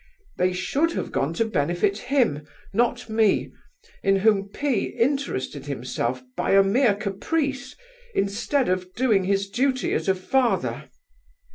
They should have gone to benefit him, not me, in whom P—— interested himself by a mere caprice, instead of doing his duty as a father.